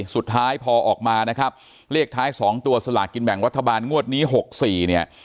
สุดท้ายพอออกมานะครับเลขท้าย๒ตัวสลากกินแบ่งรัฐบาลงวดนี้๖๔เนี่ย